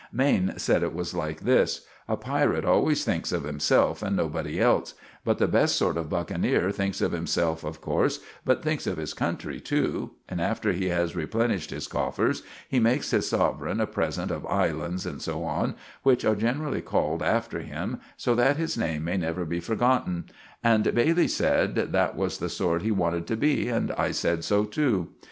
Maine sed it was like this: a pirit always thinks of himself, and nobody else; but the best sort of buckeneer thinks of himself, of corse, but thinks of his country to; and after he has replennished his coffers he makes his soverein a present of islands, and so on, which are gennerally called after him, so that his name may never be forgottun. And Bailey sed that was the sort he wanted to be, and I sed so to.